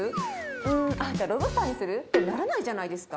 うーん、ロブスターにする？ってならないじゃないですか？